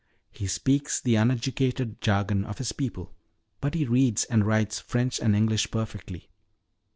He speaks the uneducated jargon of his people but he reads and writes French and English perfectly.